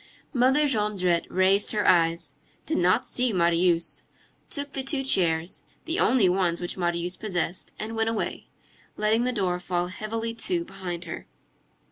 Mother Jondrette raised her eyes, did not see Marius, took the two chairs, the only ones which Marius possessed, and went away, letting the door fall heavily to behind her.